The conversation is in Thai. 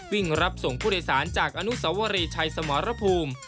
วิ่งรับส่งผู้โดยสารจากอนุสวรีชัยสมรภูมิ